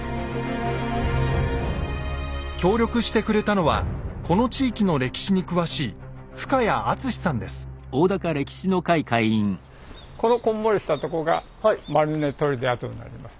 協力してくれたのはこの地域の歴史に詳しいこのこんもりしたとこが丸根砦跡になります。